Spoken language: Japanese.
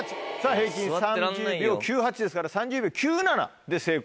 平均３０秒９８ですから３０秒９７で成功でございます。